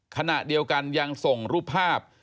ขณะเดียวกันยังส่งรูปภาพ